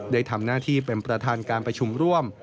ได้ทำหน้าที่เป็นประธานการประชุมร่วม